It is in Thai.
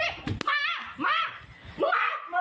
ลูกสาวไม่ยกกับลูก